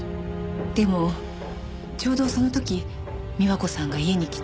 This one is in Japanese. でもちょうどその時美和子さんが家に来て。